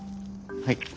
はい。